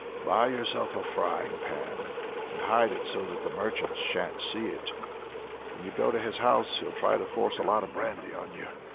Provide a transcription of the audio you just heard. Buy yourself a frying pan, and hide it so that the merchant sha'n't see it. When you go to his house he'll try to force a lot of brandy on you.